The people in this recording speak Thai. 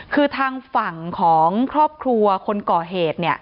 คือทางฝั่งของครอบครัวคนก่อเหตุเนี่ย